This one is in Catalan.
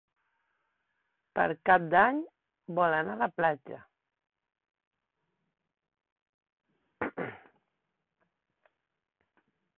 Per Cap d'Any vol anar a la platja.